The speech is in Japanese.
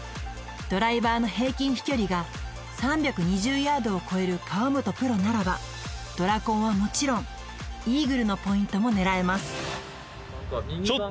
ドライバーの平均飛距離が３２０ヤードをこえる河本プロならばドラコンはもちろんイーグルのポイントも狙えます